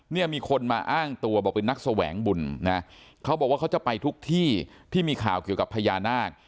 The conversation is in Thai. เนี่ยมีคนมาอ้างตัวบอกเป็นนักแสวงบุญนะเขาบอกว่าเขาจะไปทุกที่ที่มีข่าวเกี่ยวกับพญานาค